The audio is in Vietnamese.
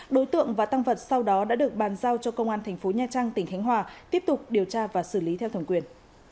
đối tượng và tăng vật sau đó đã được bàn giao cho công an thành phố nha trang tỉnh khánh hòa tiếp tục điều tra và xử lý theo thẩm quyền